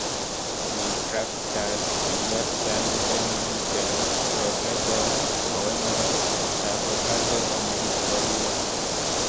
Ĝi traktas diversajn temojn per proverboj, poemoj, kaj okazoj en historio.